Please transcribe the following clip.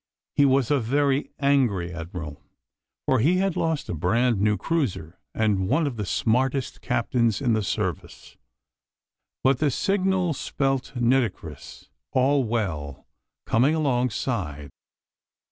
He was a very angry Admiral, for he had lost a brand new cruiser and one of the smartest captains in the Service. But the signal spelt "Nitocris. All well. Coming alongside."